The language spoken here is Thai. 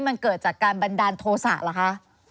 มันเกิดจากการบันดาลโทษะเหรอคะ